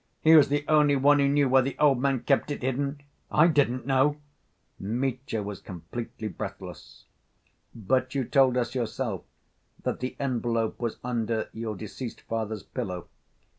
He was the only one who knew where the old man kept it hidden, I didn't know ..." Mitya was completely breathless. "But you told us yourself that the envelope was under your deceased father's pillow.